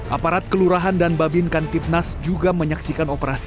aparat kelurahan dan babin kantipnas juga menyaksikan operasi